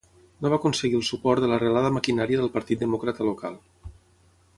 No va aconseguir el suport de l'arrelada maquinària del Partit Demòcrata local.